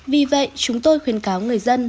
vì vậy chúng tôi khuyên cáo người dân